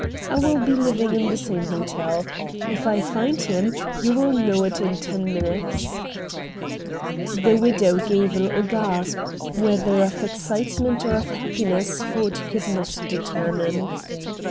I will be living in the same hotel. If I find him you will know it in ten minutes." The widow gave a little gasp, whether of excitement or of happiness Ford could not determine.